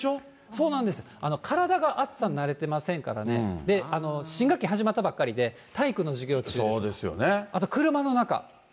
そうなんです、体が暑さに慣れてませんからね、新学期始まったばっかりで、体育の授業中ですとか、あと車の中。